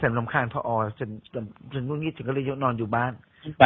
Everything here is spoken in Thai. อืมฉันลำคาญพ่ออ๋อฉันฉันฉันก็เลยนอนอยู่บ้านไป